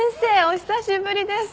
お久しぶりです。